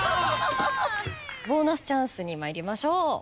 ボーナスチャンスに参りましょう。